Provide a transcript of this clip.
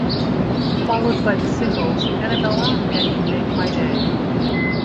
Followed by the singles: "Annabella", and "You Make My Day".